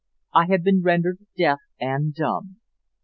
I had been rendered deaf and dumb!